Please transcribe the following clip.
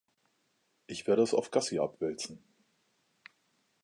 Ich werde es auf Gussie abwälzen.